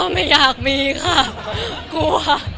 ไม่อยากมีค่ะกลัว